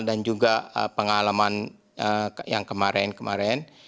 dan juga pengalaman yang kemarin kemarin